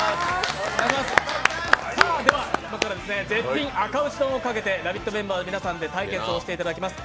では、今から絶品あか牛丼をかけて「ラヴィット！」メンバーの皆さんで対決をしていただきます。